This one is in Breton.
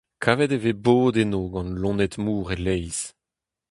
Kavet e vez bod enno gant loened-mor e-leizh.